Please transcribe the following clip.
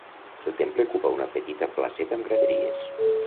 El temple ocupa una petita placeta amb graderies.